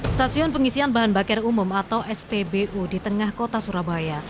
stasiun pengisian bahan bakar umum atau spbu di tengah kota surabaya